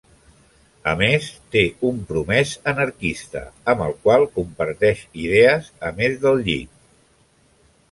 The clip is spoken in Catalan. A més, té un promès anarquista amb el qual comparteix idees a més del llit.